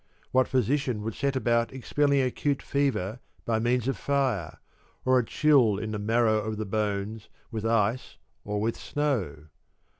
What physician would set about expelling acute fever by means of fire, or a chill in the marrow of the bones with ice or with snow